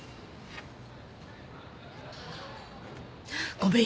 ごめん。